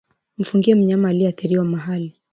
Mfungie mnyama aliyeathiriwa mahali